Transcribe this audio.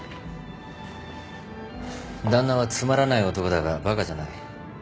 旦那はつまらない男だがバカじゃない。